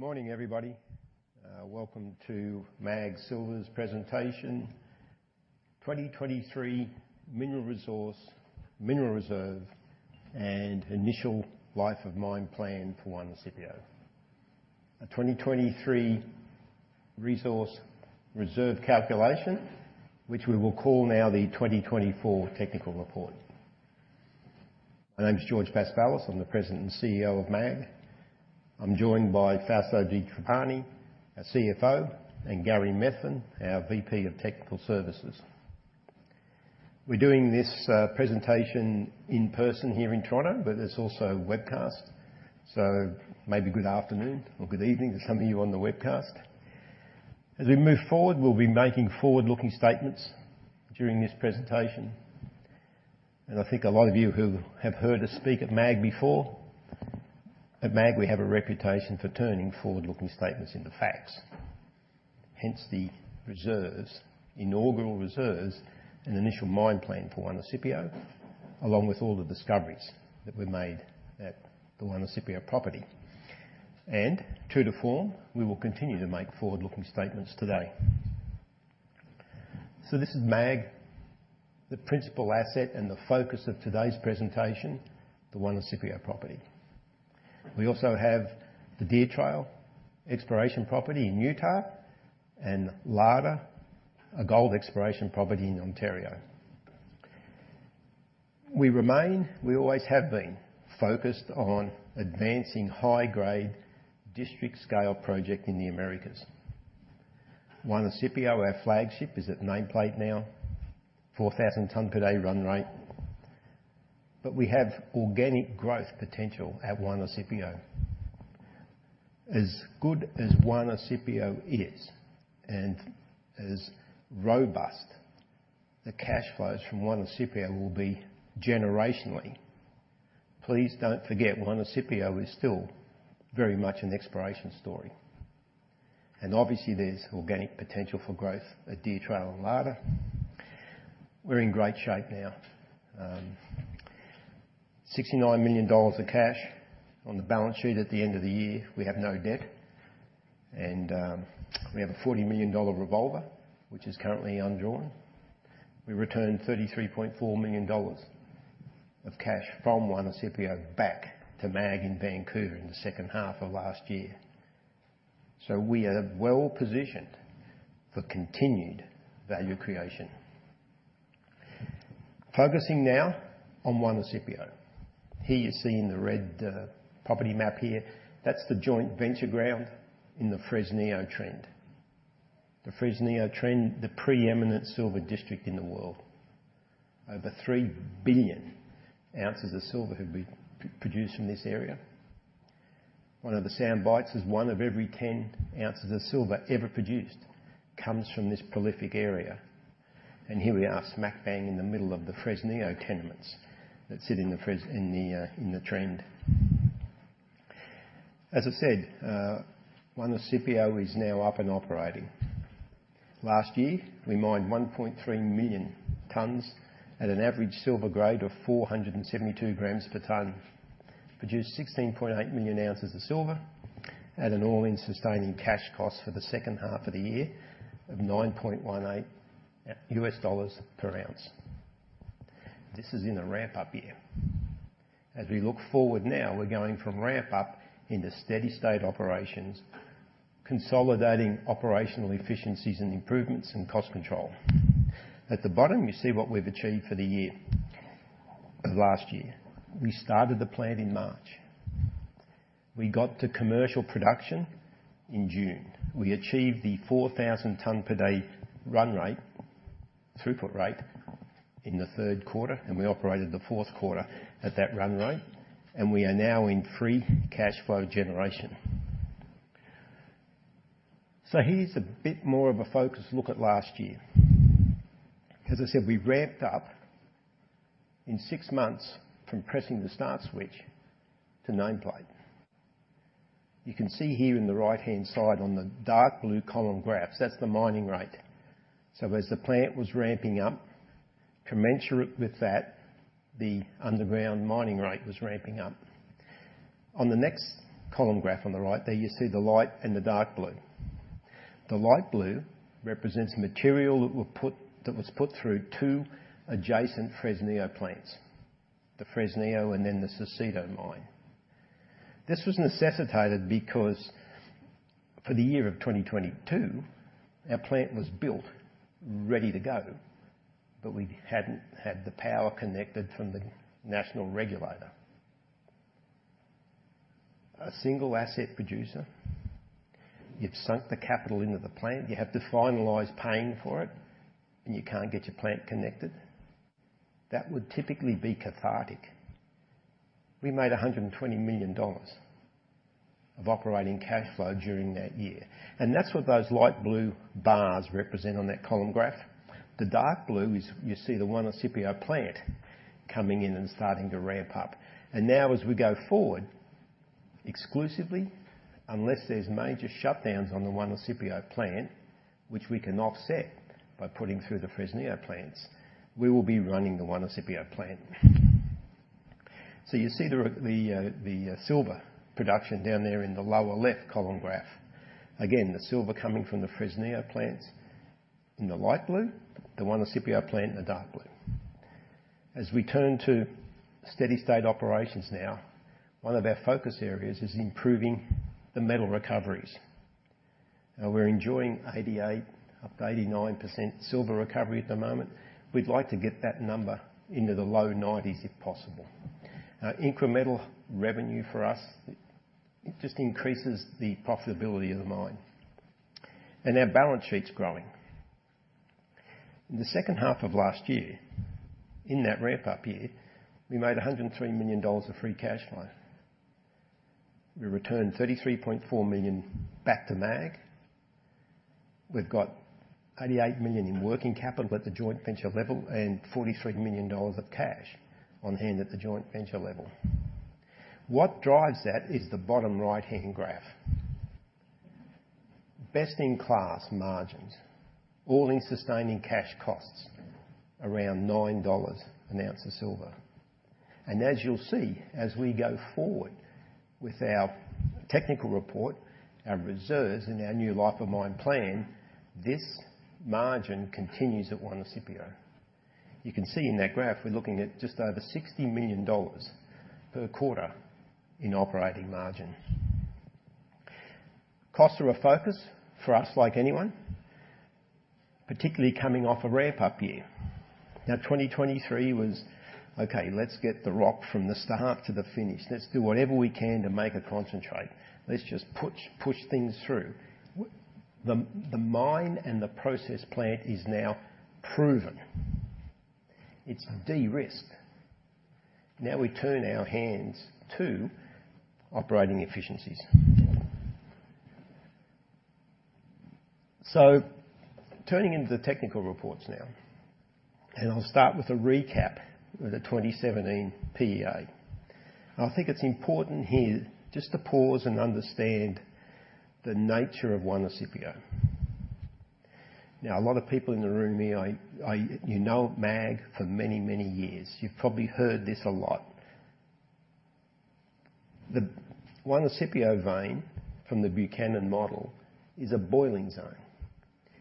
Good morning, everybody. Welcome to MAG Silver's presentation: 2023 Mineral Reserve and Initial Life of Mine Plan for Juanicipio. A 2023 resource reserve calculation, which we will call now the 2024 Technical Report. My name's George Paspalas. I'm the President and CEO of MAG. I'm joined by Fausto Di Trapani, our CFO, and Gary Methven, our VP of Technical Services. We're doing this presentation in person here in Toronto, but there's also a webcast, so maybe good afternoon or good evening to some of you on the webcast. As we move forward, we'll be making forward-looking statements during this presentation, and I think a lot of you who have heard us speak at MAG before. At MAG, we have a reputation for turning forward-looking statements into facts, hence the reserves, inaugural reserves, and Initial Mine Plan for Juanicipio, along with all the discoveries that were made at the Juanicipio property. True to form, we will continue to make forward-looking statements today. This is MAG, the principal asset and the focus of today's presentation, the Juanicipio property. We also have the Deer Trail exploration property in Utah and Larder, a gold exploration property in Ontario. We remain, we always have been, focused on advancing high-grade district-scale projects in the Americas. Juanicipio, our flagship, is at nameplate now, 4,000-ton-per-day run rate, but we have organic growth potential at Juanicipio. As good as Juanicipio is and as robust the cash flows from Juanicipio will be generationally, please don't forget Juanicipio is still very much an exploration story, and obviously there's organic potential for growth at Deer Trail and Larder. We're in great shape now. $69 million of cash on the balance sheet at the end of the year. We have no debt, and, we have a $40 million revolver, which is currently undrawn. We returned $33.4 million of cash from Juanicipio back to MAG in Vancouver in the second half of last year, so we are well positioned for continued value creation. Focusing now on Juanicipio. Here you see in the red, property map here, that's the joint venture ground in the Fresnillo Trend, the Fresnillo Trend, the preeminent silver district in the world. Over 3 billion ounces of silver have been produced from this area. One of the sound bites is one of every 10 ounces of silver ever produced comes from this prolific area, and here we are smack bang in the middle of the Fresnillo tenements that sit in the Fresnillo in the Trend. As I said, Juanicipio is now up and operating. Last year, we mined 1.3 million tons at an average silver grade of 472 grams per ton, produced 16.8 million ounces of silver at an all-in sustaining cash cost for the second half of the year of $9.18 per ounce. This is in a ramp-up year. As we look forward now, we're going from ramp-up into steady-state operations, consolidating operational efficiencies and improvements and cost control. At the bottom, you see what we've achieved for the year of last year. We started the plant in March. We got to commercial production in June. We achieved the 4,000-ton-per-day run rate, throughput rate, in the third quarter, and we operated the fourth quarter at that run rate, and we are now in free cash flow generation. So here's a bit more of a focused look at last year. As I said, we ramped up in six months from pressing the start switch to nameplate. You can see here in the right-hand side on the dark blue column graphs, that's the mining rate. So as the plant was ramping up, commensurate with that, the underground mining rate was ramping up. On the next column graph on the right there, you see the light and the dark blue. The light blue represents material that was put through two adjacent Fresnillo plants, the Fresnillo and then the Saucito mine. This was necessitated because for the year of 2022, our plant was built ready to go, but we hadn't had the power connected from the national regulator. A single asset producer, you've sunk the capital into the plant, you have to finalize paying for it, and you can't get your plant connected, that would typically be catastrophic. We made $120 million of operating cash flow during that year, and that's what those light blue bars represent on that column graph. The dark blue is you see the Juanicipio plant coming in and starting to ramp up, and now as we go forward, exclusively, unless there's major shutdowns on the Juanicipio plant, which we can offset by putting through the Fresnillo plants, we will be running the Juanicipio plant. So you see the silver production down there in the lower left column graph. Again, the silver coming from the Fresnillo plants in the light blue, the Juanicipio plant in the dark blue. As we turn to steady-state operations now, one of our focus areas is improving the metal recoveries. We're enjoying 88%-89% silver recovery at the moment. We'd like to get that number into the low 90s if possible. Incremental revenue for us it just increases the profitability of the mine, and our balance sheet's growing. In the second half of last year, in that ramp-up year, we made $103 million of free cash flow. We returned $33.4 million back to MAG. We've got $88 million in working capital at the joint venture level and $43 million of cash on hand at the joint venture level. What drives that is the bottom right-hand graph, best-in-class margins, all-in sustaining cash costs around $9 an ounce of silver. And as you'll see, as we go forward with our technical report, our reserves, and our new life of mine plan, this margin continues at Juanicipio. You can see in that graph we're looking at just over $60 million per quarter in operating margin. Costs are a focus for us like anyone, particularly coming off a ramp-up year. Now, 2023 was, "Okay, let's get the rock from the start to the finish. Let's do whatever we can to make a concentrate. Let's just push, push things through." With the mine and the process plant is now proven. It's de-risked. Now we turn our hands to operating efficiencies. So turning into the technical reports now, and I'll start with a recap of the 2017 PEA. I think it's important here just to pause and understand the nature of Juanicipio. Now, a lot of people in the room here, I you know MAG for many, many years. You've probably heard this a lot. The Juanicipio vein from the Buchanan Model is a boiling zone.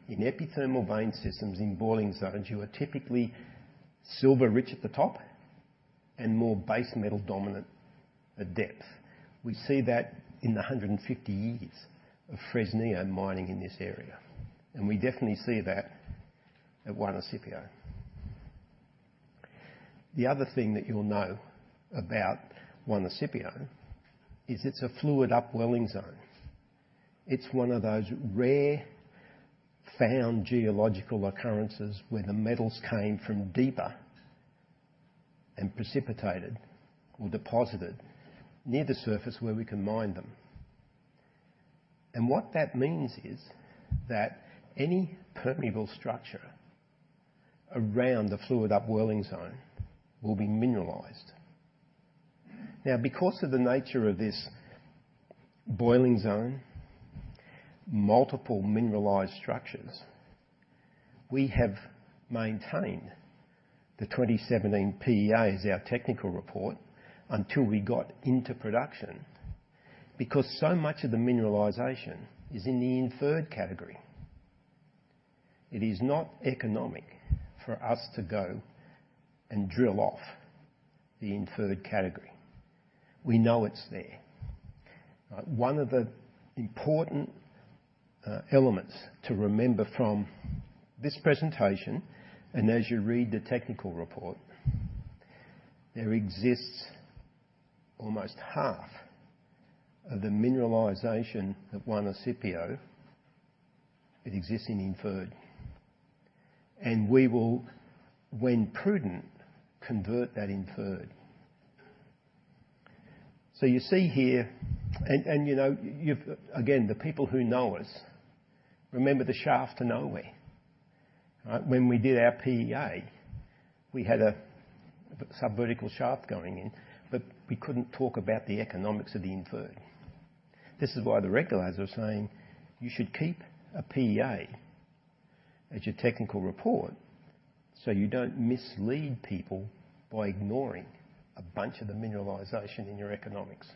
In epithermal vein systems in boiling zone, you are typically silver-rich at the top and more base metal dominant at depth. We see that in the 150 years of Fresnillo mining in this area, and we definitely see that at Juanicipio. The other thing that you'll know about Juanicipio is it's a fluid-upwelling zone. It's one of those rare-found geological occurrences where the metals came from deeper and precipitated or deposited near the surface where we can mine them. And what that means is that any permeable structure around the fluid-upwelling zone will be mineralized. Now, because of the nature of this boiling zone, multiple mineralized structures, we have maintained the 2017 PEA as our technical report until we got into production because so much of the mineralization is in the Inferred category. It is not economic for us to go and drill off the Inferred category. We know it's there. One of the important elements to remember from this presentation, and as you read the technical report, there exists almost half of the mineralization at Juanicipio. It exists in Inferred, and we will, when prudent, convert that Inferred. So you see here and, you know, you've again, the people who know us remember the shaft to nowhere. All right? When we did our PEA, we had a subvertical shaft going in, but we couldn't talk about the economics of the Inferred. This is why the regulators are saying you should keep a PEA as your technical report so you don't mislead people by ignoring a bunch of the mineralization in your economics.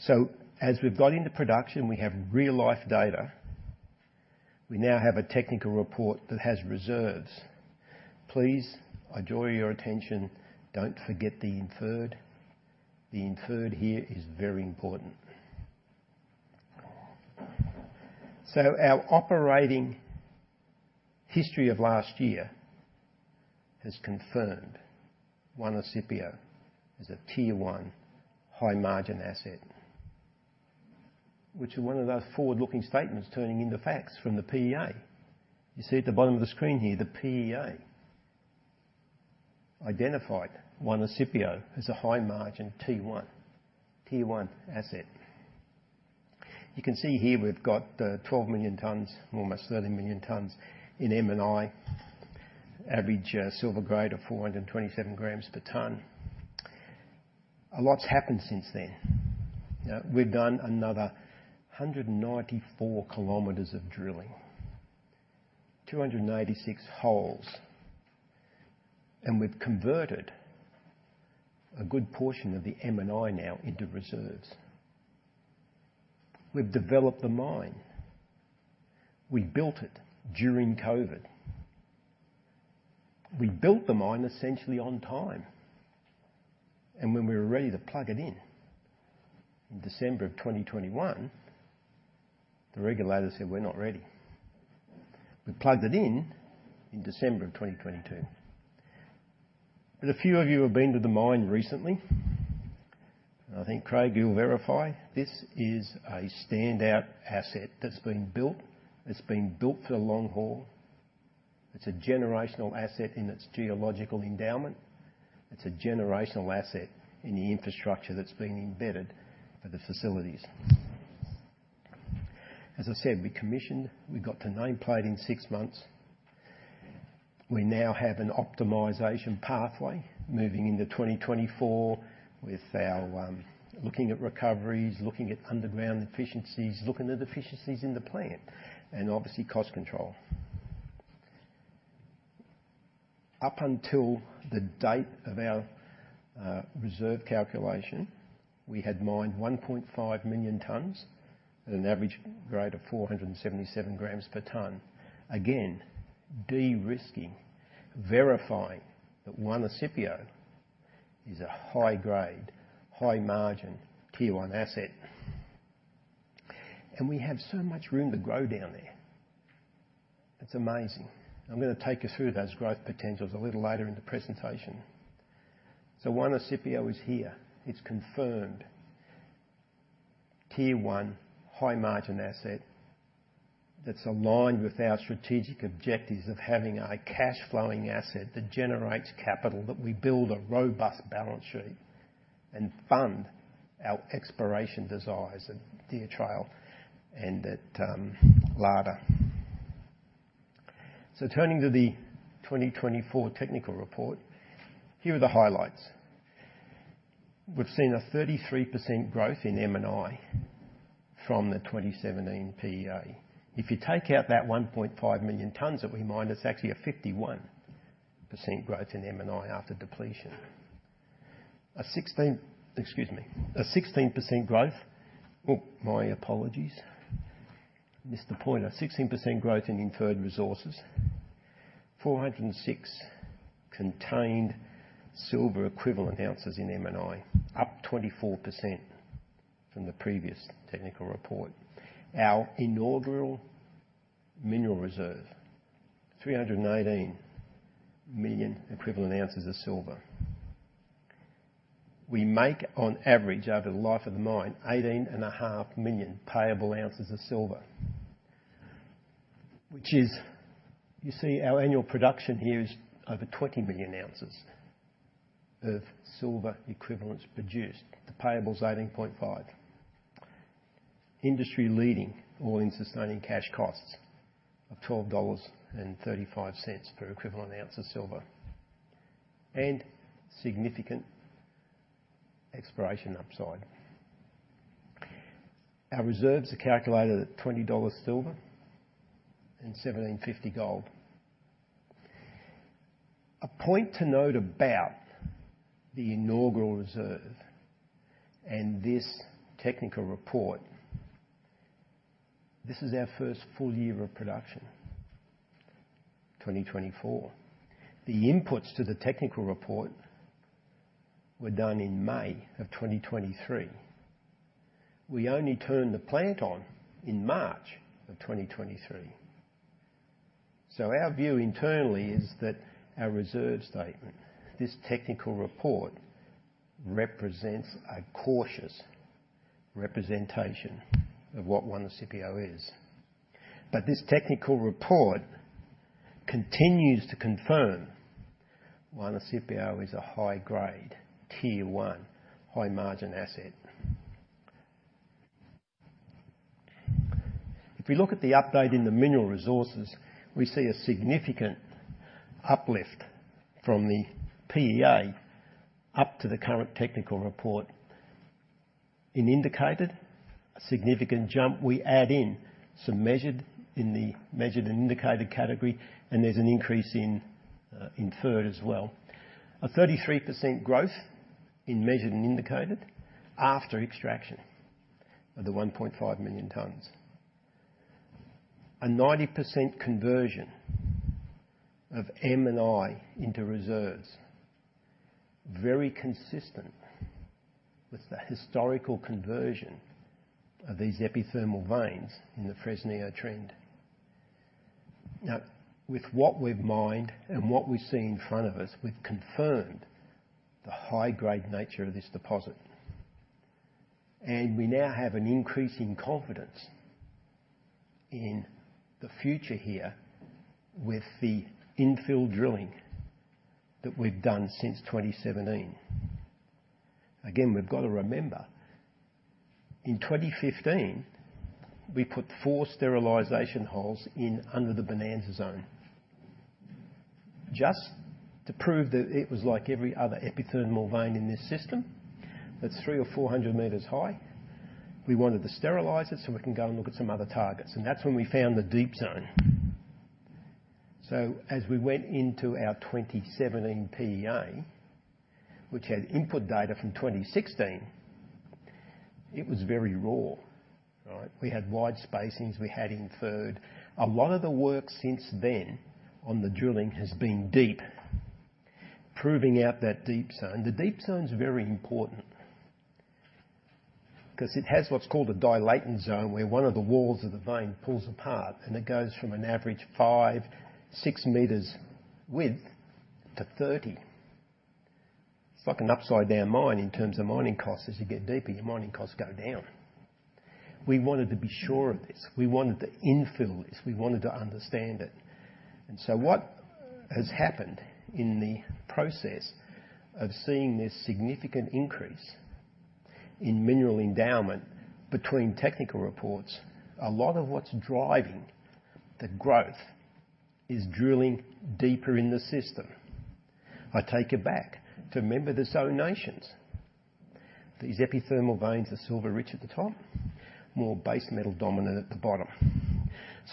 So as we've got into production, we have real-life data. We now have a technical report that has reserves. Please, I draw your attention, don't forget the Inferred. The Inferred here is very important. So our operating history of last year has confirmed Juanicipio as a tier-one high-margin asset, which are one of those forward-looking statements turning into facts from the PEA. You see at the bottom of the screen here, the PEA identified Juanicipio as a high-margin tier-one, tier-one asset. You can see here we've got 12 million tons, almost 30 million tons, in M&I, average silver grade of 427 grams per ton. A lot's happened since then. Now, we've done another 194 km of drilling, 286 holes, and we've converted a good portion of the M&I now into reserves. We've developed the mine. We built it during COVID. We built the mine essentially on time, and when we were ready to plug it in in December of 2021, the regulators said, "We're not ready." We plugged it in in December of 2022. But a few of you have been to the mine recently, and I think Craig will verify. This is a standout asset that's been built. It's been built for the long haul. It's a generational asset in its geological endowment. It's a generational asset in the infrastructure that's been embedded for the facilities. As I said, we commissioned. We got to nameplate in six months. We now have an optimization pathway moving into 2024 with our looking at recoveries, looking at underground efficiencies, looking at efficiencies in the plant, and obviously cost control. Up until the date of our reserve calculation, we had mined 1.5 million tons at an average grade of 477 grams per ton. Again, de-risking, verifying that Juanicipio is a high-grade, high-margin tier-one asset, and we have so much room to grow down there. It's amazing. I'm gonna take you through those growth potentials a little later in the presentation. Juanicipio is here. It's confirmed tier-one high-margin asset that's aligned with our strategic objectives of having a cash-flowing asset that generates capital, that we build a robust balance sheet and fund our exploration desires at Deer Trail and at Larder. Turning to the 2024 Technical Report, here are the highlights. We've seen a 33% growth in M&I from the 2017 PEA. If you take out that 1.5 million tons that we mined, it's actually a 51% growth in M&I after depletion. A 16% growth in inferred resources, 406 contained silver equivalent ounces in M&I, up 24% from the previous technical report. Our inaugural mineral reserve, 318 million equivalent ounces of silver. We make, on average, over the life of the mine, 18.5 million payable ounces of silver, which is you see our annual production here is over 20 million ounces of silver equivalents produced. The payables 18.5. Industry-leading all-in sustaining cash costs of $12.35 per equivalent ounce of silver and significant exploration upside. Our reserves are calculated at $20 silver and $1,750 gold. A point to note about the inaugural reserve and this technical report. This is our first full year of production, 2024. The inputs to the technical report were done in May of 2023. We only turned the plant on in March of 2023. So our view internally is that our reserve statement, this technical report, represents a cautious representation of what Juanicipio is. But this technical report continues to confirm Juanicipio is a high-grade tier-one high-margin asset. If we look at the update in the mineral resources, we see a significant uplift from the PEA up to the current technical report in Indicated, a significant jump. We add in some measured in the measured and indicated category, and there's an increase in inferred as well, a 33% growth in measured and indicated after extraction of the 1.5 million tons, a 90% conversion of M&I into reserves, very consistent with the historical conversion of these epithermal veins in the Fresnillo trend. Now, with what we've mined and what we see in front of us, we've confirmed the high-grade nature of this deposit, and we now have an increase in confidence in the future here with the infill drilling that we've done since 2017. Again, we've gotta remember, in 2015, we put four sterilization holes in under the Bonanza Zone just to prove that it was like every other epithermal vein in this system that's 3 or 400 meters high. We wanted to sterilize it so we can go and look at some other targets, and that's when we found the Deep Zone. So as we went into our 2017 PEA, which had input data from 2016, it was very raw, all right? We had wide spacings. We had Inferred. A lot of the work since then on the drilling has been deep, proving out that Deep Zone. The Deep Zone's very important 'cause it has what's called a dilating zone where one of the walls of the vein pulls apart, and it goes from an average five to six meters width to 30. It's like an upside-down mine in terms of mining costs. As you get deeper, your mining costs go down. We wanted to be sure of this. We wanted to infill this. We wanted to understand it. And so what has happened in the process of seeing this significant increase in mineral endowment between technical reports? A lot of what's driving the growth is drilling deeper in the system. I take it back to the zonation. These epithermal veins are silver-rich at the top, more base metal dominant at the bottom.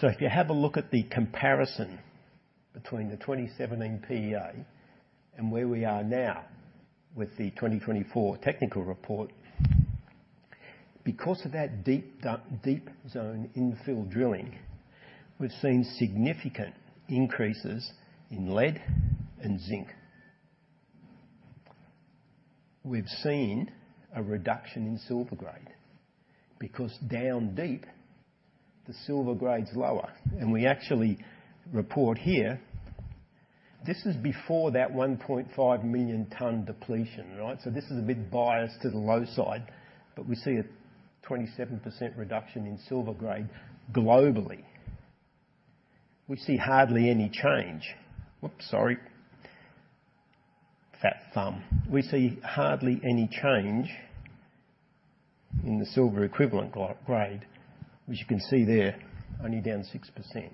So if you have a look at the comparison between the 2017 PEA and where we are now with the 2024 technical report, because of that deep, deep zone infill drilling, we've seen significant increases in lead and zinc. We've seen a reduction in silver grade because down deep, the silver grade's lower, and we actually report here this is before that 1.5-million-ton depletion, all right? This is a bit biased to the low side, but we see a 27% reduction in silver grade globally. We see hardly any change whoops, sorry. Fat thumb. We see hardly any change in the silver equivalent grade, which you can see there, only down 6%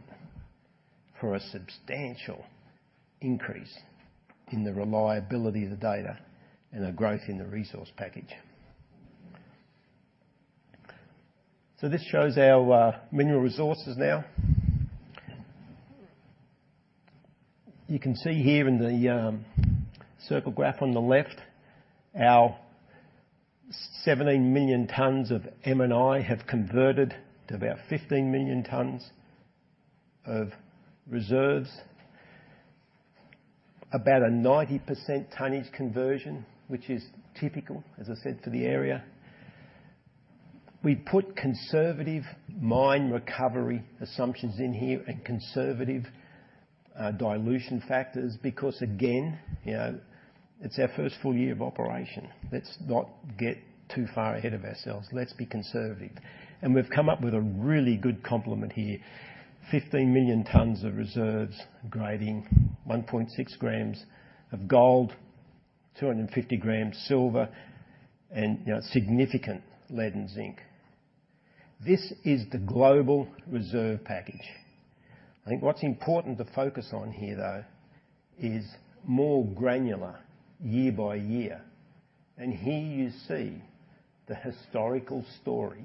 for a substantial increase in the reliability of the data and a growth in the resource package. So this shows our mineral resources now. You can see here in the circle graph on the left, our 17 million tons of M&I have converted to about 15 million tons of reserves, about a 90% tonnage conversion, which is typical, as I said, for the area. We put conservative mine recovery assumptions in here and conservative dilution factors because, again, you know, it's our first full year of operation. Let's not get too far ahead of ourselves. Let's be conservative. And we've come up with a really good complement here, 15 million tons of reserves grading 1.6 grams of gold, 250 grams silver, and, you know, significant lead and zinc. This is the global reserve package. I think what's important to focus on here, though, is more granular year by year. And here you see the historical story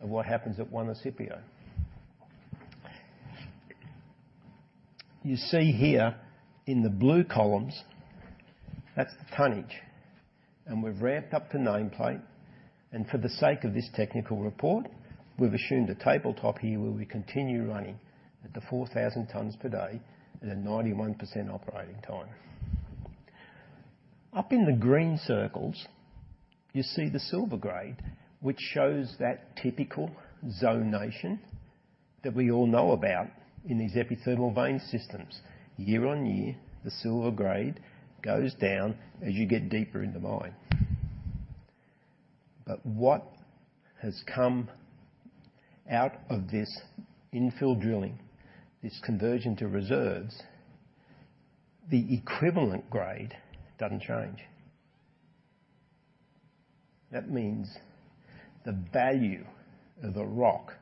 of what happens at Juanicipio. You see here in the blue columns, that's the tonnage, and we've ramped up to nameplate. And for the sake of this technical report, we've assumed a tabletop here where we continue running at the 4,000 tons per day at a 91% operating time. Up in the green circles, you see the silver grade, which shows that typical zonation that we all know about in these epithermal vein systems. Year on year, the silver grade goes down as you get deeper in the mine. But what has come out of this infill drilling, this conversion to reserves, the equivalent grade doesn't change. That means the value of the rock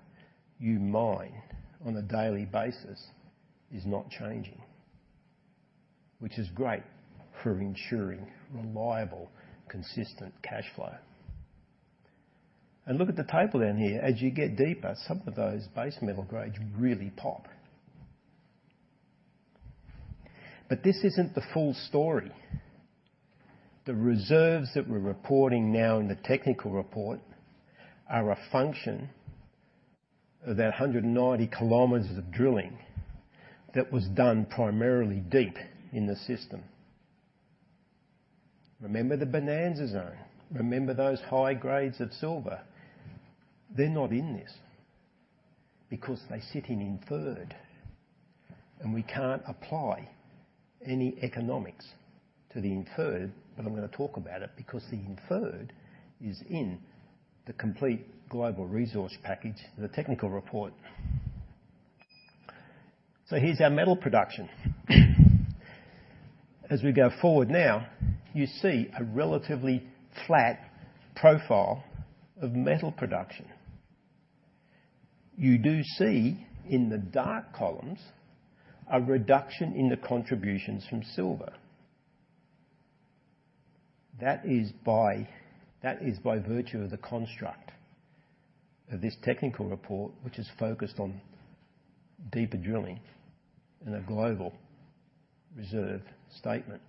you mine on a daily basis is not changing, which is great for ensuring reliable, consistent cash flow. And look at the table down here. As you get deeper, some of those base metal grades really pop. But this isn't the full story. The reserves that we're reporting now in the Technical Report are a function of that 190kms of drilling that was done primarily deep in the system. Remember the Bonanza Zone? Remember those high grades of silver? They're not in this because they sit in Inferred, and we can't apply any economics to the Inferred, but I'm gonna talk about it because the Inferred is in the complete global resource package, the Technical Report. So here's our metal production. As we go forward now, you see a relatively flat profile of metal production. You do see in the dark columns a reduction in the contributions from silver. That is by virtue of the construct of this technical report, which is focused on deeper drilling and a global reserve statement.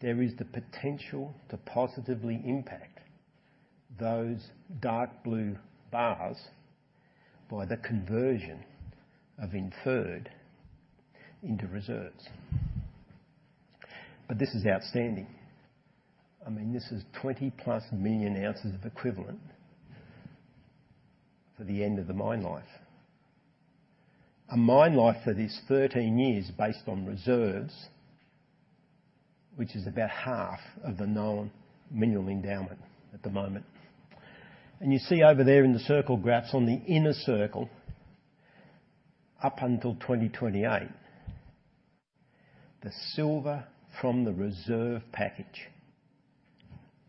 There is the potential to positively impact those dark blue bars by the conversion of inferred into reserves. But this is outstanding. I mean, this is 20+ million ounces of equivalent for the end of the mine life, a mine life that is 13 years based on reserves, which is about half of the known mineral endowment at the moment. And you see over there in the circle graphs on the inner circle up until 2028, the silver from the reserve package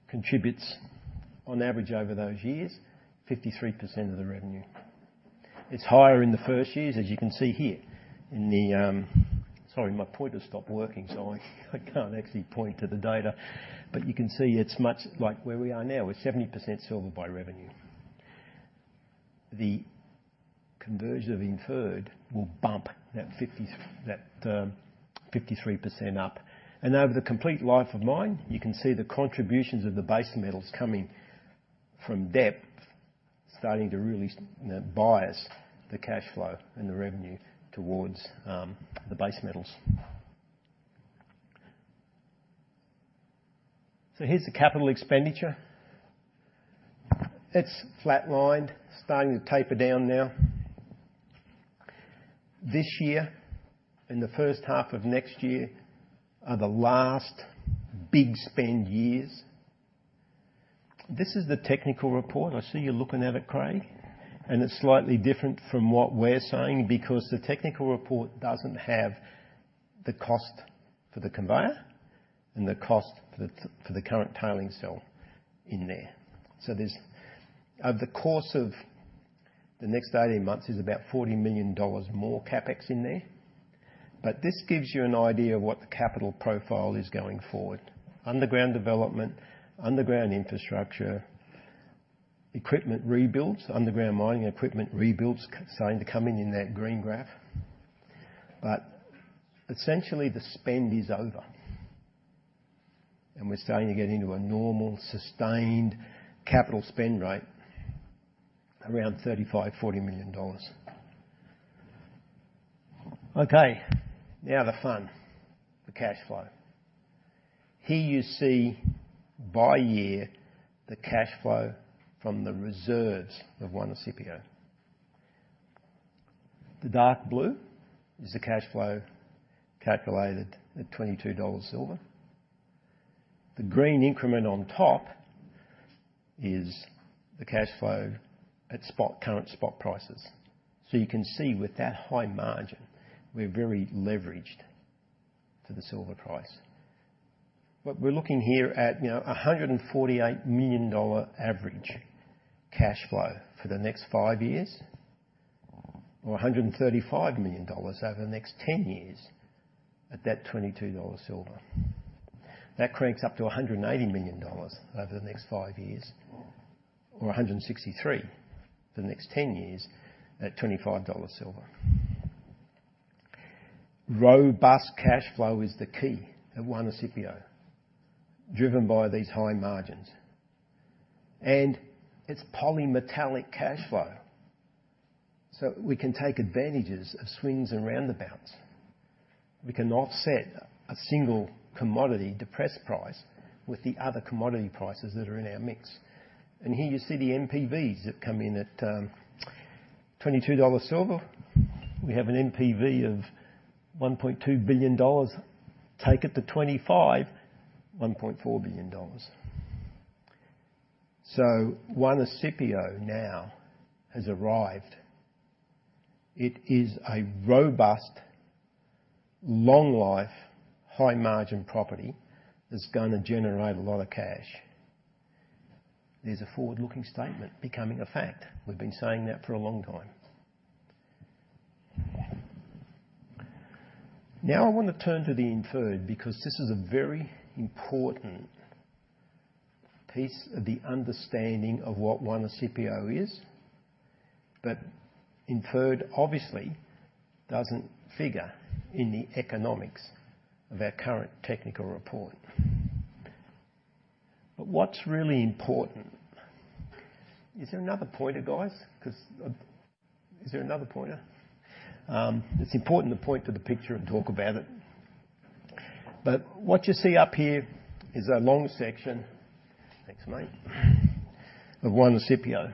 contributes on average over those years, 53% of the revenue. It's higher in the first years, as you can see here in the, sorry, my pointer stopped working, so I, I can't actually point to the data. But you can see it's much like where we are now. We're 70% silver by revenue. The conversion of inferred will bump that 53% up. And over the complete life of mine, you can see the contributions of the base metals coming from depth starting to really, you know, bias the cash flow and the revenue towards the base metals. So here's the capital expenditure. It's flatlined, starting to taper down now. This year and the first half of next year are the last big spend years. This is the technical report. I see you're looking at it, Craig, and it's slightly different from what we're saying because the technical report doesn't have the cost for the conveyor and the cost for the current tailings cell in there. So there's over the course of the next 18 months, there's about $40 million more CapEx in there. But this gives you an idea of what the capital profile is going forward, underground development, underground infrastructure, equipment rebuilds, underground mining equipment rebuilds starting to come in in that green graph. But essentially, the spend is over, and we're starting to get into a normal, sustained capital spend rate around $35-$40 million. Okay. Now the fun, the cash flow. Here you see by year the cash flow from the reserves of Juanicipio. The dark blue is the cash flow calculated at $22 silver. The green increment on top is the cash flow at spot current spot prices. So you can see with that high margin, we're very leveraged to the silver price. But we're looking here at, you know, $148 million average cash flow for the next five years or $135 million over the next 10 years at that $22 silver. That cranks up to $180 million over the next five years or $163 for the next 10 years at $25 silver. Robust cash flow is the key at Juanicipio driven by these high margins, and it's polymetallic cash flow, so we can take advantages of swings and roundabouts. We can offset a single commodity depressed price with the other commodity prices that are in our mix. And here you see the NPVs that come in at $22 silver. We have an NPV of $1.2 billion. Take it to 25, $1.4 billion. So Juanicipio now has arrived. It is a robust, long-life, high-margin property that's gonna generate a lot of cash. There's a forward-looking statement becoming a fact. We've been saying that for a long time. Now I wanna turn to the inferred because this is a very important piece of the understanding of what Juanicipio is. But inferred, obviously, doesn't figure in the economics of our current technical report. But what's really important is there another pointer, guys? 'Cause, is there another pointer? It's important to point to the picture and talk about it. But what you see up here is a long section thanks, mate of Juanicipio,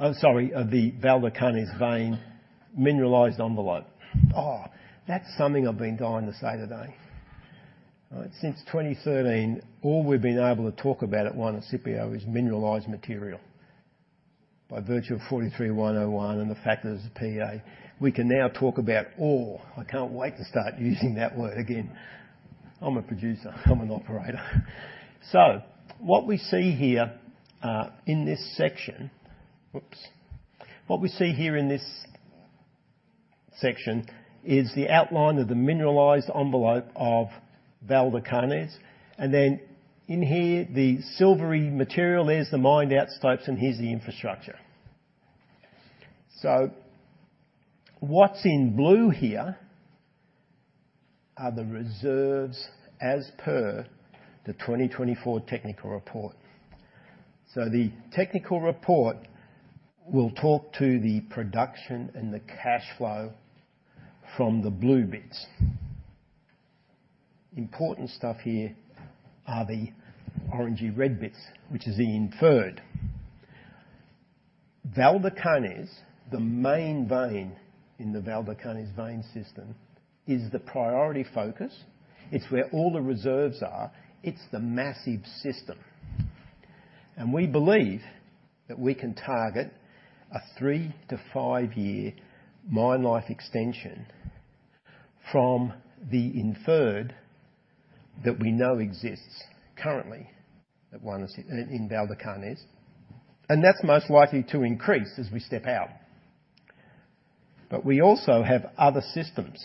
oh, sorry, of the Valdecañas vein mineralized envelope. Oh, that's something I've been dying to say today, all right? Since 2013, all we've been able to talk about at Juanicipio is mineralized material by virtue of 43-101 and the factors of PEA. We can now talk about all. I can't wait to start using that word again. I'm a producer. I'm an operator. So what we see here, in this section whoops. What we see here in this section is the outline of the mineralized envelope of Valdecañas. And then in here, the silvery material, there's the mine outstopes, and here's the infrastructure. So what's in blue here are the reserves as per the 2024 technical report. So the technical report will talk to the production and the cash flow from the blue bits. Important stuff here are the orangey red bits, which is the inferred. Valdecañas, the main vein in the Valdecañas vein system, is the priority focus. It's where all the reserves are. It's the massive system. We believe that we can target a three to five year mine life extension from the inferred that we know exists currently at Juanicipio in Valdecañas. That's most likely to increase as we step out. But we also have other systems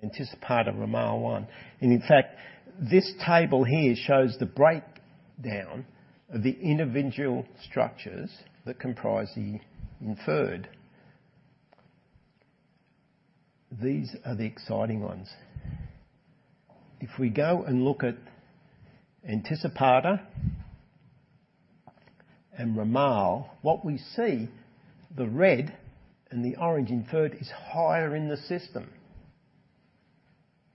and this is part of Ramal 1. In fact, this table here shows the breakdown of the individual structures that comprise the inferred. These are the exciting ones. If we go and look at Anticipada and Ramal, what we see, the red and the orange inferred, is higher in the system.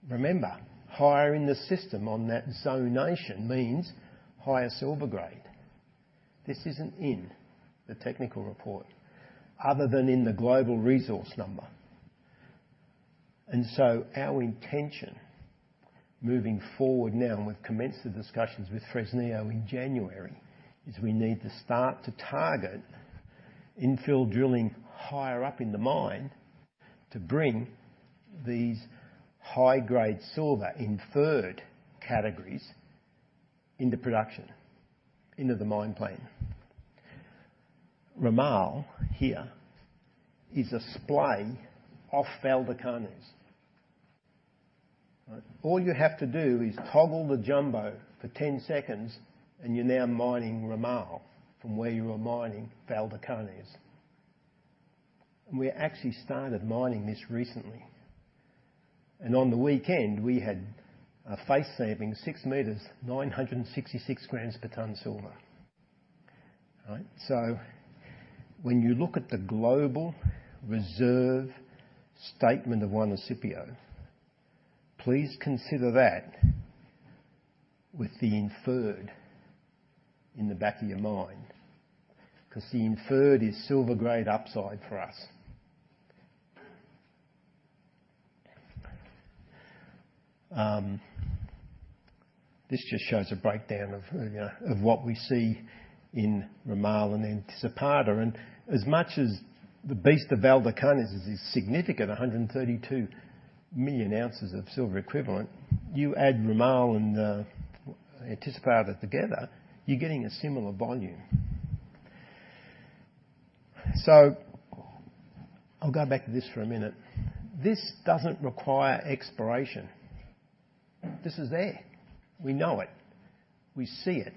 Remember, higher in the system on that zonation means higher silver grade. This isn't in the technical report other than in the global resource number. Our intention moving forward now, and we've commenced the discussions with Fresnillo in January, is we need to start to target infill drilling higher up in the mine to bring these high-grade silver inferred categories into production, into the mine plan. Ramal here is a splay off Valdecañas, all right? All you have to do is toggle the jumbo for 10 seconds, and you're now mining Ramal from where you were mining Valdecañas. We actually started mining this recently. On the weekend, we had a face sampling, six meters, 966 grams per ton silver, all right? So when you look at the global reserve statement of Juanicipio, please consider that with the inferred in the back of your mind 'cause the inferred is silver grade upside for us. This just shows a breakdown of, you know, of what we see in Ramal and Anticipada. As much as the beast of Valdecañas is significant, 132 million ounces of silver equivalent, you add Ramal and Anticipada together, you're getting a similar volume. So I'll go back to this for a minute. This doesn't require exploration. This is there. We know it. We see it.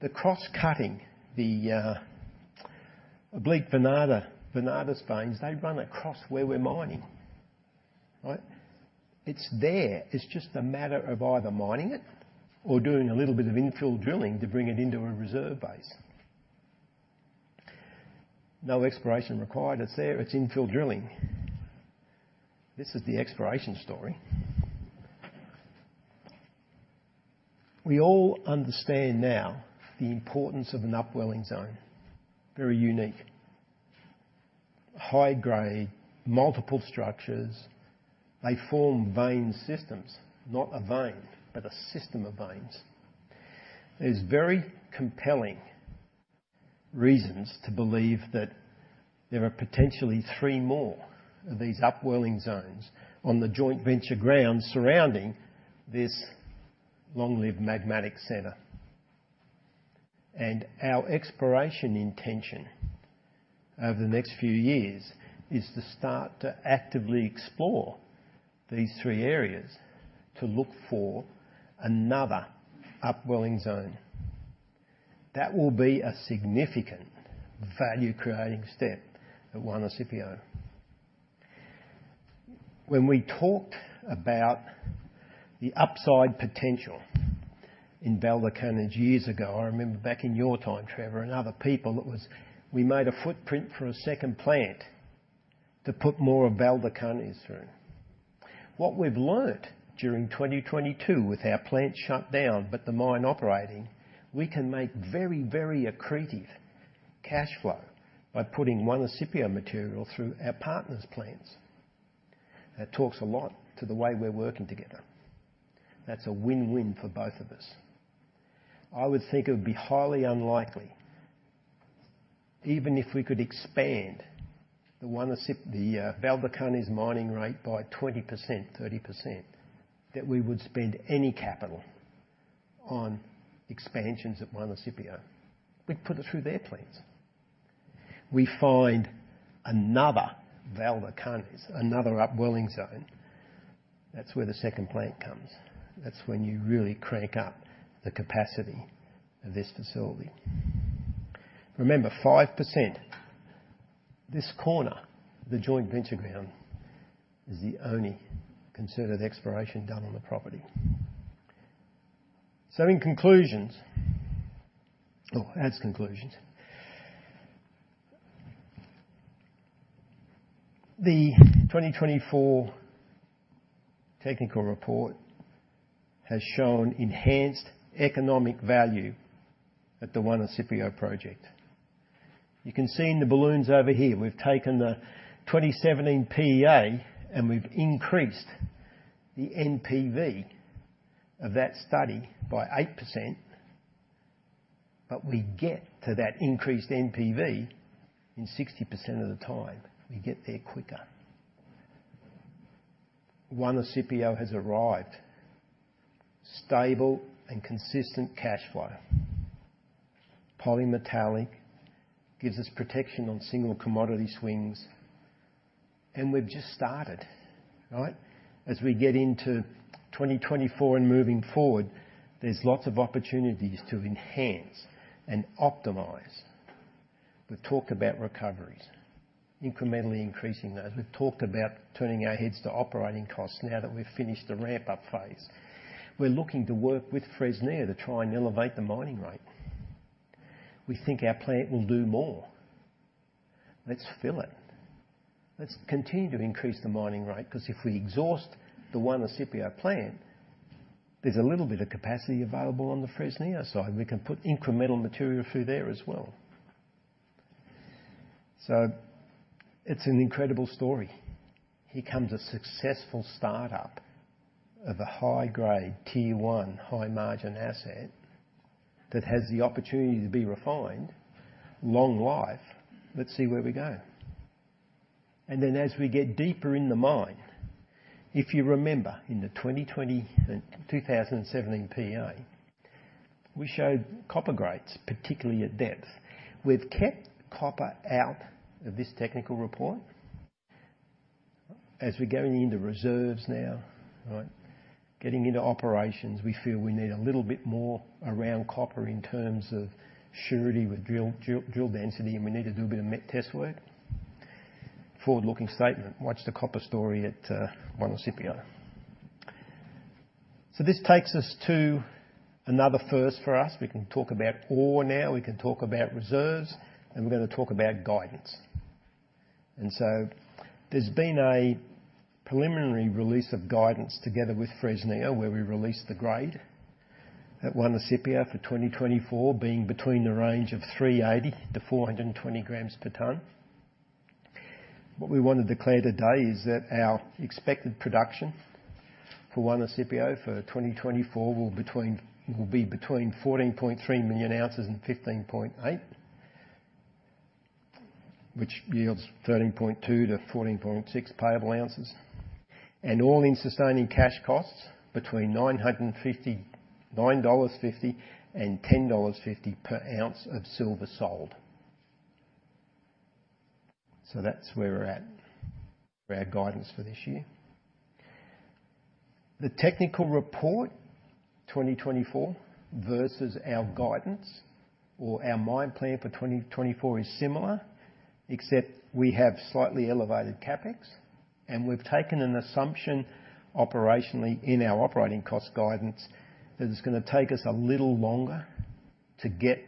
The cross-cutting, the oblique Venadas, Venadas veins, they run across where we're mining, all right? It's there. It's just a matter of either mining it or doing a little bit of infill drilling to bring it into a reserve base. No exploration required. It's there. It's infill drilling. This is the exploration story. We all understand now the importance of an upwelling zone, very unique, high grade, multiple structures. They form vein systems, not a vein but a system of veins. There's very compelling reasons to believe that there are potentially three more of these upwelling zones on the joint venture grounds surrounding this long-lived magmatic center. Our exploration intention over the next few years is to start to actively explore these three areas to look for another upwelling zone. That will be a significant value-creating step at Juanicipio. When we talked about the upside potential in Valdecañas years ago, I remember back in your time, Trevor, and other people, it was we made a footprint for a second plant to put more of Valdecañas through. What we've learned during 2022 with our plant shut down but the mine operating, we can make very, very accretive cash flow by putting Juanicipio material through our partner's plants. That talks a lot to the way we're working together. That's a win-win for both of us. I would think it would be highly unlikely, even if we could expand the Juanicipio, the Valdecañas mining rate by 20%-30%, that we would spend any capital on expansions at Juanicipio. We'd put it through their plants. We find another Valdecañas, another upwelling zone, that's where the second plant comes. That's when you really crank up the capacity of this facility. Remember, 5%, this corner, the joint venture ground, is the only concerted exploration done on the property. So, in conclusion. The 2024 technical report has shown enhanced economic value at the Juanicipio project. You can see in the balloons over here, we've taken the 2017 PEA, and we've increased the NPV of that study by 8%. But we get to that increased NPV in 60% of the time. We get there quicker. Juanicipio has arrived, stable and consistent cash flow, polymetallic, gives us protection on single commodity swings. We've just started, all right? As we get into 2024 and moving forward, there's lots of opportunities to enhance and optimize. We've talked about recoveries, incrementally increasing those. We've talked about turning our heads to operating costs now that we've finished the ramp-up phase. We're looking to work with Fresnillo to try and elevate the mining rate. We think our plant will do more. Let's fill it. Let's continue to increase the mining rate 'cause if we exhaust the Juanicipio plant, there's a little bit of capacity available on the Fresnillo side. We can put incremental material through there as well. It's an incredible story. Here comes a successful startup of a high-grade, tier one, high-margin asset that has the opportunity to be refined, long life. Let's see where we go. Then as we get deeper in the mine, if you remember in the 2020 and 2017 PEA, we showed copper grades, particularly at depth. We've kept copper out of this technical report. As we're going into reserves now, all right, getting into operations, we feel we need a little bit more around copper in terms of surety with drill, drill, drill density, and we need to do a bit of met test work. Forward-looking statement. Watch the copper story at Juanicipio. So this takes us to another first for us. We can talk about all now. We can talk about reserves. And we're gonna talk about guidance. And so there's been a preliminary release of guidance together with Fresnillo where we released the grade at Juanicipio for 2024 being between the range of 380-420 grams per ton. What we wanna declare today is that our expected production for Juanicipio for 2024 will be between 14.3 million ounces and 15.8, which yields 13.2 -14.6 payable ounces, and all-in sustaining cash costs between $9.50 and $10.50 per ounce of silver sold. So that's where we're at for our guidance for this year. The technical report, 2024, versus our guidance or our mine plan for 2024 is similar except we have slightly elevated CapEx. We've taken an assumption operationally in our operating cost guidance that it's gonna take us a little longer to get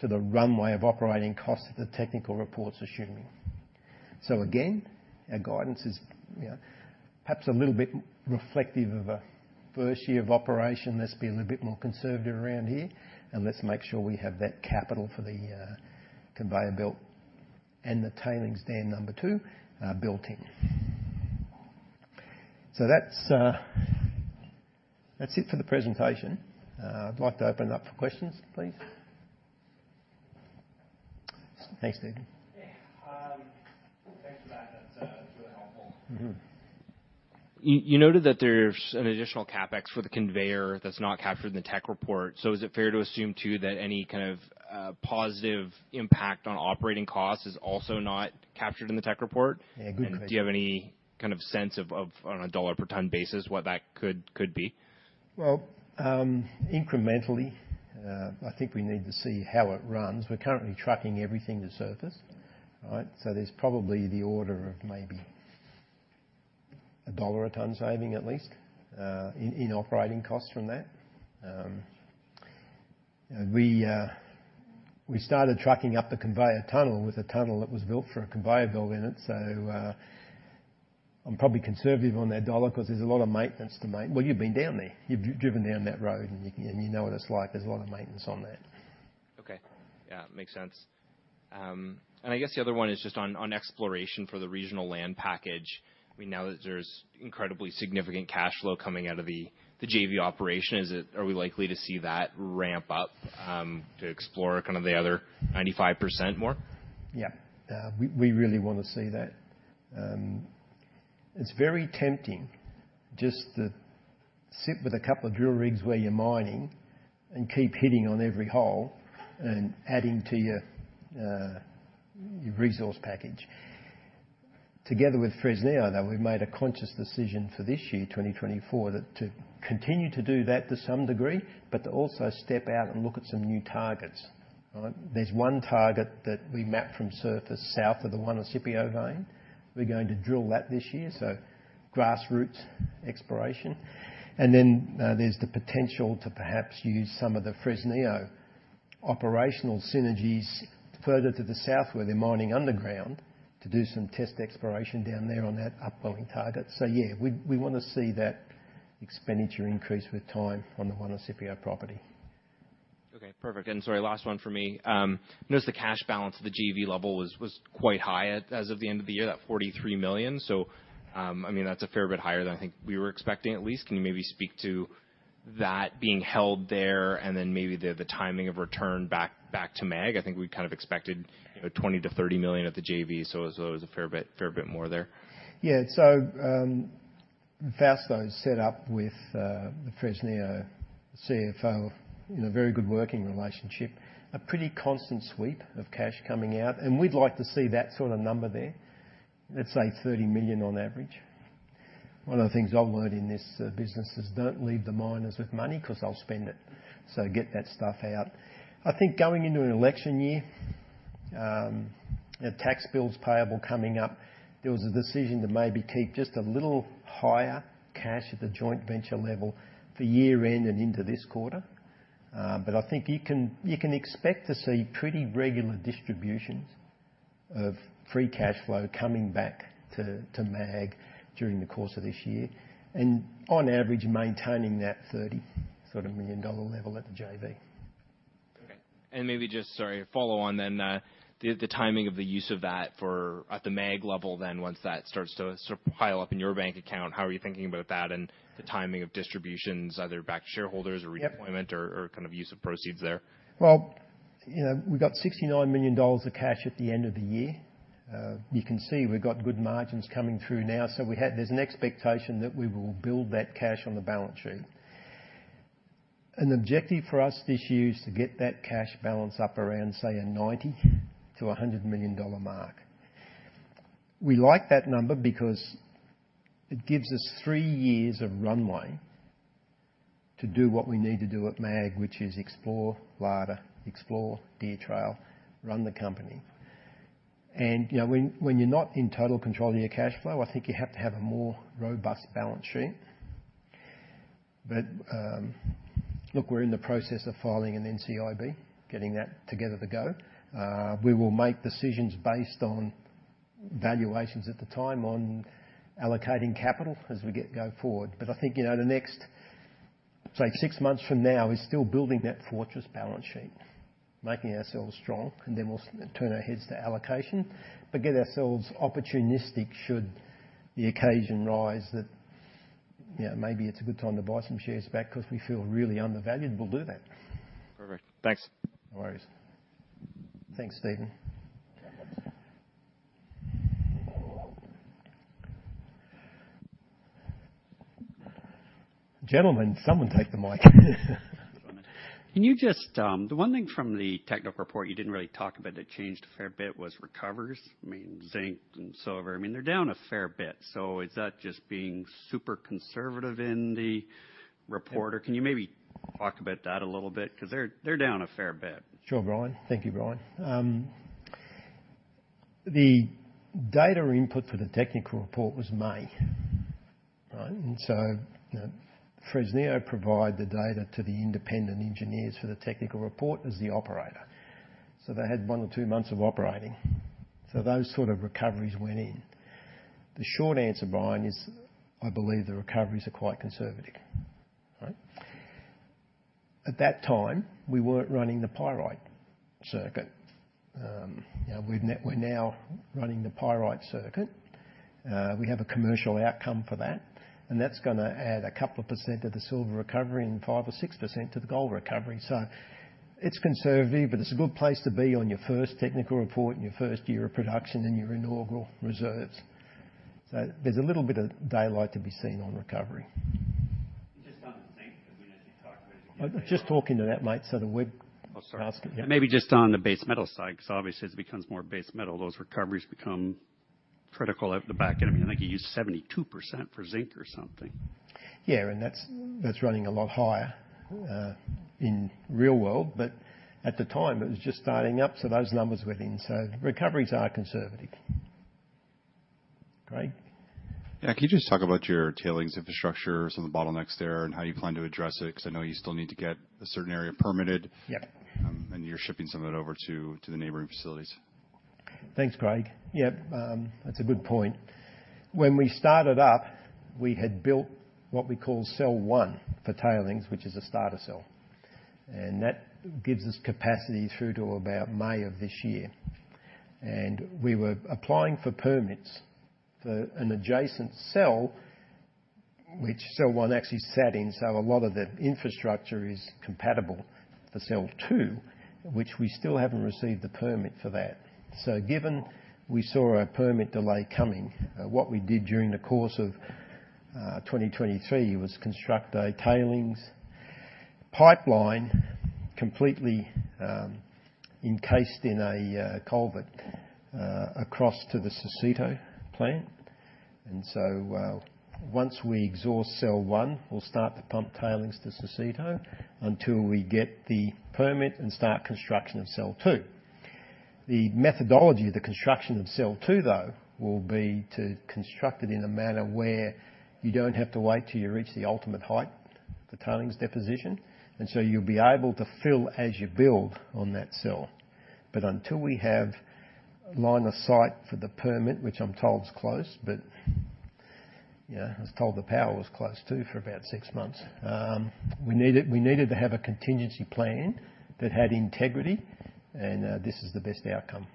to the runway of operating costs that the technical report's assuming. So again, our guidance is, you know, perhaps a little bit reflective of a first year of operation. Let's be a little bit more conservative around here, and let's make sure we have that capital for the conveyor belt and the tailings dam number two built in. So that's it for the presentation. I'd like to open it up for questions, please. Thanks, David. Yeah. Thanks for that. That's really helpful. Mm-hmm. You noted that there's an additional CapEx for the conveyor that's not captured in the tech report. So is it fair to assume too that any kind of, positive impact on operating costs is also not captured in the tech report? Yeah. Good question. Do you have any kind of sense of on a dollar-per-ton basis what that could be? Well, incrementally, I think we need to see how it runs. We're currently trucking everything to surface, all right? So there's probably the order of maybe $1/ton saving at least, in operating costs from that. You know, we started trucking up the conveyor tunnel with a tunnel that was built for a conveyor belt in it. So, I'm probably conservative on that dollar 'cause there's a lot of maintenance to maintain well, you've been down there. You've driven down that road, and you can, and you know what it's like. There's a lot of maintenance on that. Okay. Yeah. Makes sense. I guess the other one is just on exploration for the regional land package. I mean, now that there's incredibly significant cash flow coming out of the JV operation, are we likely to see that ramp up to explore kind of the other 95% more? Yeah. We, we really wanna see that. It's very tempting just to sit with a couple of drill rigs where you're mining and keep hitting on every hole and adding to your, your resource package. Together with Fresnillo, though, we've made a conscious decision for this year, 2024, that to continue to do that to some degree but to also step out and look at some new targets, all right? There's one target that we mapped from surface south of the Juanicipio vein. We're going to drill that this year, so grassroots exploration. And then, there's the potential to perhaps use some of the Fresnillo operational synergies further to the south where they're mining underground to do some test exploration down there on that upwelling target. So yeah, we, we wanna see that expenditure increase with time on the Juanicipio property. Okay. Perfect. And sorry, last one for me. Notice the cash balance at the JV level was quite high as of the end of the year, that $43 million. So, I mean, that's a fair bit higher than I think we were expecting at least. Can you maybe speak to that being held there and then maybe the timing of return back to MAG? I think we kind of expected, you know, $20 million-$30 million at the JV. So, it was a fair bit more there. Yeah. So, Fausto's set up with the Fresnillo CFO in a very good working relationship, a pretty constant sweep of cash coming out. And we'd like to see that sort of number there, let's say $30 million on average. One of the things I've learned in this business is don't leave the miners with money 'cause they'll spend it. So get that stuff out. I think going into an election year, you know, tax bills payable coming up, there was a decision to maybe keep just a little higher cash at the joint venture level for year-end and into this quarter. But I think you can expect to see pretty regular distributions of free cash flow coming back to MAG during the course of this year and on average maintaining that $30-or-so-million-dollar level at the JV. Okay. And maybe just, sorry, follow on then, the timing of the use of that for at the MAG level then once that starts to sort of pile up in your bank account, how are you thinking about that and the timing of distributions, either back to shareholders or redeployment or, or kind of use of proceeds there? Well, you know, we got $69 million of cash at the end of the year. You can see we've got good margins coming through now. So there's an expectation that we will build that cash on the balance sheet. An objective for us this year is to get that cash balance up around, say, a $90-$100 million mark. We like that number because it gives us three years of runway to do what we need to do at MAG, which is explore Larder, explore Deer Trail, run the company. And, you know, when you're not in total control of your cash flow, I think you have to have a more robust balance sheet. But, look, we're in the process of filing an NCIB, getting that together to go. We will make decisions based on valuations at the time on allocating capital as we get go forward. But I think, you know, the next, say, six months from now is still building that fortress balance sheet, making ourselves strong. And then we'll turn our heads to allocation but get ourselves opportunistic should the occasion rise that, you know, maybe it's a good time to buy some shares back 'cause we feel really undervalued. We'll do that. Perfect. Thanks. No worries. Thanks, Stephen. Gentlemen, someone take the mic. Can you just, the one thing from the technical report you didn't really talk about that changed a fair bit was recoveries, I mean, zinc and silver. I mean, they're down a fair bit. So is that just being super conservative in the report, or can you maybe talk about that a little bit 'cause they're, they're down a fair bit? Sure, Brian. Thank you, Brian. The data input for the technical report was May, right? And so, you know, Fresnillo provides the data to the independent engineers for the technical report as the operator. So they had one or two months of operating. So those sort of recoveries went in. The short answer, Brian, is I believe the recoveries are quite conservative, all right? At that time, we weren't running the pyrite circuit. You know, we've now, we're now running the pyrite circuit. We have a commercial outcome for that. And that's gonna add a couple of percent of the silver recovery and five or six% to the gold recovery. So it's conservative, but it's a good place to be on your first technical report and your first year of production and your inaugural reserves. So there's a little bit of daylight to be seen on recovery. You just on the zinc? I mean, as you talked about it again, maybe. Oh, just talking to that mate. So the web. Oh, sorry. Ask it, yeah. Maybe just on the base metal side 'cause obviously, as it becomes more base metal, those recoveries become critical out the back end. I mean, I think you used 72% for zinc or something. Yeah. And that's, that's running a lot higher, in real world. But at the time, it was just starting up. So those numbers were in. So recoveries are conservative. Craig? Yeah. Can you just talk about your tailings infrastructure, some of the bottlenecks there, and how you plan to address it 'cause I know you still need to get a certain area permitted? Yep. and you're shipping some of it over to, to the neighboring facilities. Thanks, Craig. Yep, that's a good point. When we started up, we had built what we call cell one for tailings, which is a starter cell. And that gives us capacity through to about May of this year. And we were applying for permits for an adjacent cell, which cell one actually sat in. So a lot of the infrastructure is compatible for cell two, which we still haven't received the permit for that. So given we saw a permit delay coming, what we did during the course of 2023 was construct a tailings pipeline completely encased in a culvert across to the Saucito plant. And so once we exhaust cell one, we'll start to pump tailings to Saucito until we get the permit and start construction of cell two. The methodology of the construction of cell two, though, will be to construct it in a manner where you don't have to wait till you reach the ultimate height for tailings deposition. So you'll be able to fill as you build on that cell. But until we have line of sight for the permit, which I'm told's close, but yeah, I was told the power was close too for about six months, we needed to have a contingency plan that had integrity. This is the best outcome.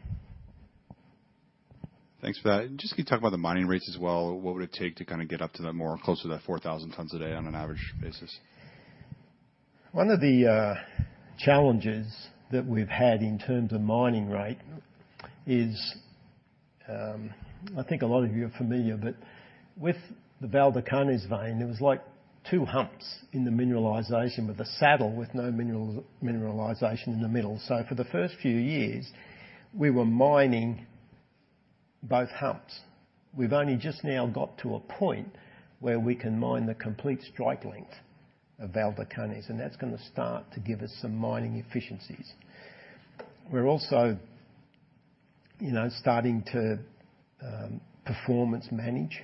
Thanks for that. And just can you talk about the mining rates as well? What would it take to kind of get up to that more close to that 4,000 tons a day on an average basis? One of the challenges that we've had in terms of mining rate is, I think a lot of you are familiar, but with the Valdecañas vein, there was like two humps in the mineralization with a saddle with no mineralization in the middle. So for the first few years, we were mining both humps. We've only just now got to a point where we can mine the complete strike length of Valdecañas. And that's gonna start to give us some mining efficiencies. We're also, you know, starting to performance manage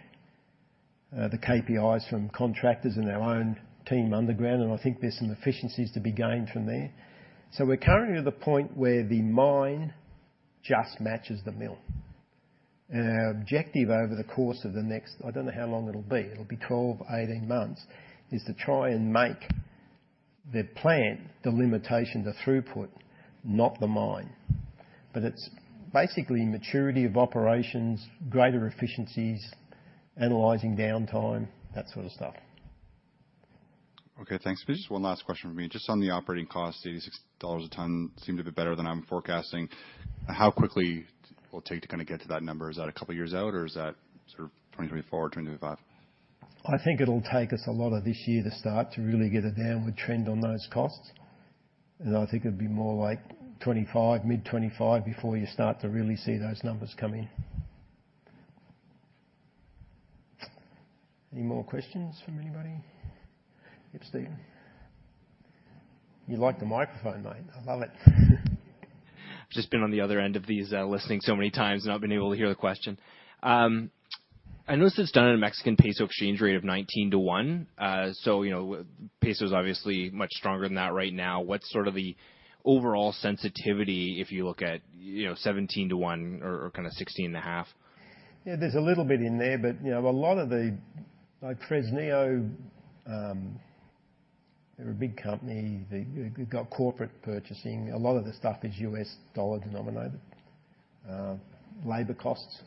the KPIs from contractors and our own team underground. And I think there's some efficiencies to be gained from there. So we're currently at the point where the mine just matches the mill. And our objective over the course of the next I don't know how long it'll be. It'll be 12-18 months is to try and make the plant the limitation, the throughput, not the mine. But it's basically maturity of operations, greater efficiencies, analyzing downtime, that sort of stuff. Okay. Thanks. Maybe just one last question from me. Just on the operating costs, $86 a ton seem to be better than I'm forecasting. How quickly will it take to kind of get to that number? Is that a couple of years out, or is that sort of 2024, 2025? I think it'll take us a lot of this year to start to really get a downward trend on those costs. I think it'd be more like 2025, mid-2025, before you start to really see those numbers come in. Any more questions from anybody? Yep, Stephen. You like the microphone, mate. I love it. I've just been on the other end of these, listening so many times and not been able to hear the question. I noticed it's done at a Mexican Peso exchange rate of 19 to 1. So, you know, peso's obviously much stronger than that right now. What's sort of the overall sensitivity if you look at, you know, 17 to 1 or, or kind of 16.5? Yeah. There's a little bit in there. But, you know, a lot of the like, Fresnillo, they're a big company. They, they've got corporate purchasing. A lot of the stuff is US dollar denominated. Labor costs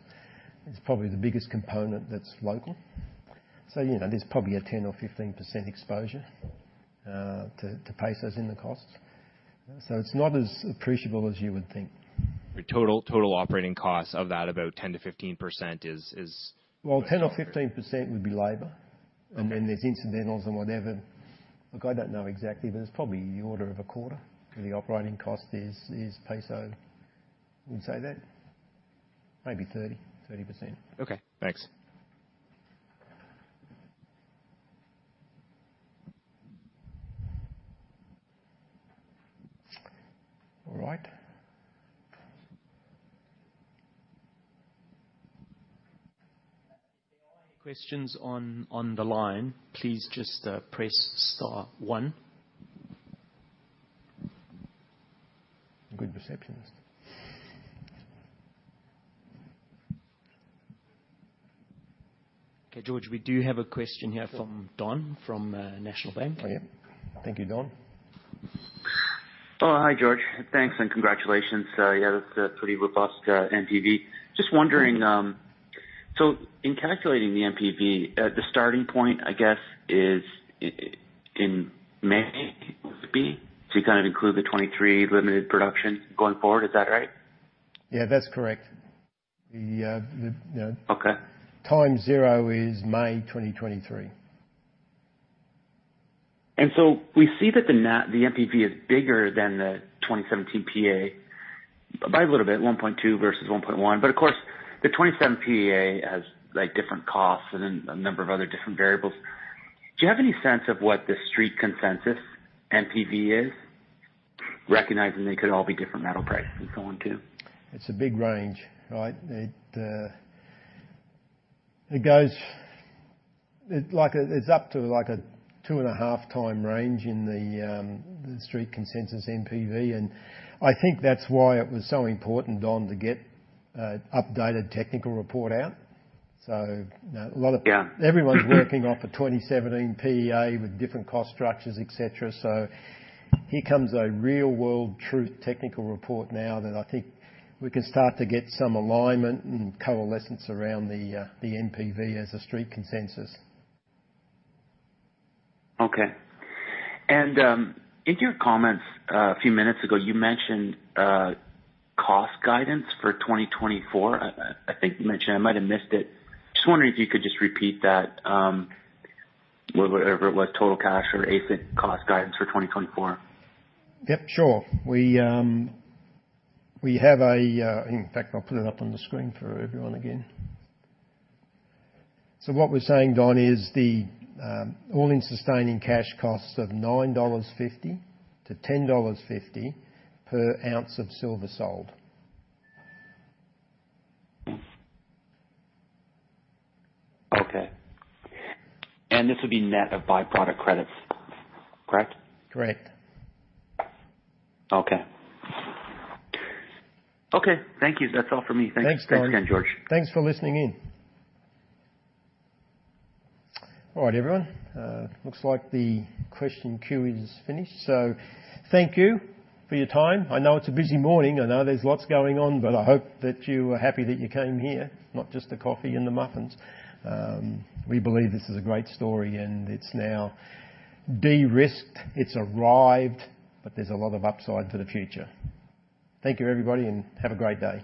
is probably the biggest component that's local. So, you know, there's probably a 10%-15% exposure to pesos in the costs. So it's not as appreciable as you would think. Total operating costs of that, about 10%-15% is, Well, 10% or 15% would be labor. And then there's incidentals and whatever. Look, I don't know exactly, but it's probably the order of a quarter where the operating cost is, is peso. Would you say that? Maybe 30, 30%. Okay. Thanks. All right. Questions on the line, please just press star one. Good receptionist. Okay. George, we do have a question here from Don from National Bank. Oh, yep. Thank you, Don. Oh, hi, George. Thanks and congratulations. Yeah, that's a pretty robust NPV. Just wondering, so in calculating the NPV, the starting point, I guess, is in May would be to kind of include the 2023 limited production going forward. Is that right? Yeah. That's correct. The, you know. Okay. Time zero is May 2023. And so we see that the NPV is bigger than the 2017 PEA by a little bit, 1.2 versus 1.1. But, of course, the 2017 PEA has, like, different costs and then a number of other different variables. Do you have any sense of what the street consensus NPV is, recognizing they could all be different metal prices and so on too? It's a big range, right? It goes, like, up to, like, a 2.5 times range in the street consensus NPV. And I think that's why it was so important, Don, to get updated technical report out. So, you know, a lot of. Yeah. Everyone's working off a 2017 PEA with different cost structures, etc. So here comes a real-world truth technical report now that I think we can start to get some alignment and coalescence around the NPV as a street consensus. Okay. And, in your comments a few minutes ago, you mentioned cost guidance for 2024. I think you mentioned. I might have missed it. Just wondering if you could just repeat that, whatever it was, total cash or AISC cost guidance for 2024. Yep. Sure. We have, in fact, I'll put it up on the screen for everyone again. So what we're saying, Don, is the all-in-sustaining cash costs of $9.50-$10.50 per ounce of silver sold. Okay. This would be net of byproduct credits, correct? Correct. Okay. Okay. Thank you. That's all for me. Thanks. Thanks, Don. Thanks, again, George. Thanks for listening in. All right, everyone. Looks like the question queue is finished. So thank you for your time. I know it's a busy morning. I know there's lots going on, but I hope that you are happy that you came here, not just the coffee and the muffins. We believe this is a great story, and it's now de-risked. It's arrived, but there's a lot of upside for the future. Thank you, everybody, and have a great day.